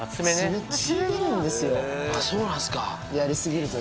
そうなんすか。